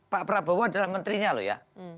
pak prabowo adalah menterinya loh ya